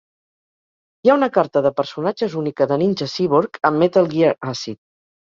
Hi ha una carta de personatges única de Ninja Cyborg a "Metal Gear Acid".